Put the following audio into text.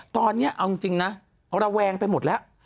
ตอนนี้เอาจริงนะระแวงไปหมดแล้ว